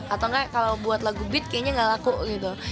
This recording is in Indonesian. atau enggak kalau buat lagu beat kayaknya gak bisa